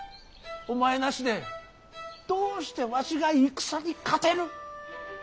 お前なしでどうしてわしが戦に勝てる。